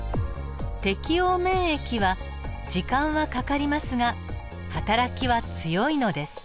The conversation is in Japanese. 適応免疫は時間はかかりますがはたらきは強いのです。